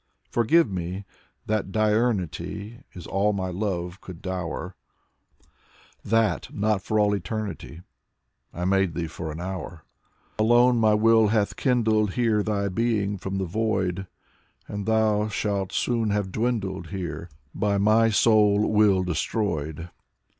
Forgive me that diurnity Is all my love could dower; That not for all eternity, — I made thee for an hour. Alone my will hath kindled here Thy being from the void. And thou shalt soon have dwindled here, By my sole will destroyed.